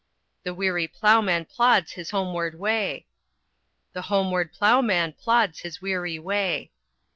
The weary ploughman plods his homeward way. The homeward ploughman plods his weary way.